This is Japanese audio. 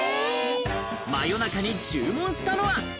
真夜中に注文したのは。